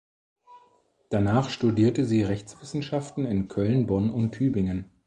Danach studierte sie Rechtswissenschaften in Köln, Bonn und Tübingen.